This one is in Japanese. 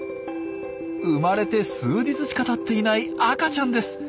生まれて数日しかたっていない赤ちゃんです。